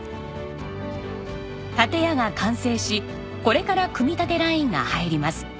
建屋が完成しこれから組み立てラインが入ります。